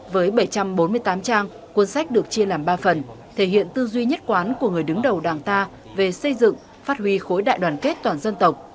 với bảy trăm bốn mươi tám trang cuốn sách được chia làm ba phần thể hiện tư duy nhất quán của người đứng đầu đảng ta về xây dựng phát huy khối đại đoàn kết toàn dân tộc